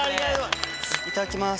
いただきます。